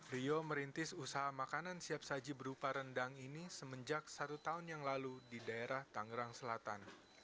rio merintis usaha makanan siap saji berupa rendang ini semenjak satu tahun yang lalu di daerah tangerang selatan